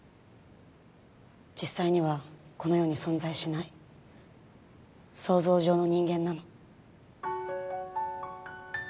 実際にはこの世に存在しない想像上の人間なの。